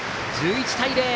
１１対０。